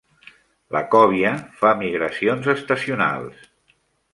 La còbia fa migracions estacionals.